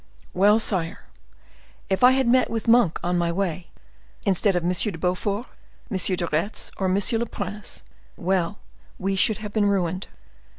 Well, sire, if I had met with Monk on my way, instead of Monsieur de Beaufort, Monsieur de Retz, or Monsieur le Prince—well, we should have been ruined.